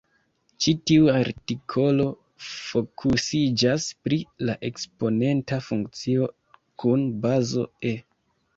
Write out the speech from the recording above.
Ĉi tiu artikolo fokusiĝas pri la eksponenta funkcio kun bazo "e".